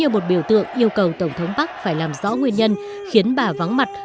những người biểu tượng yêu cầu tổng thống park phải làm rõ nguyên nhân khiến bà vắng mặt